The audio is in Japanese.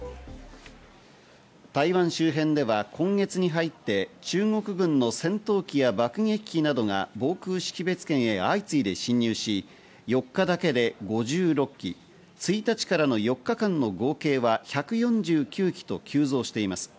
台湾周辺では今月に入って、中国軍の戦闘機や爆撃機などが防空識別圏へ相次いで侵入し、４日だけで５６機、１日からの４日間の合計は１４９機と急増しています。